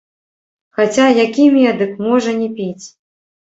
Хаця які медык можа не піць?